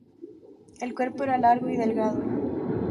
El cuerpo era largo y delgado.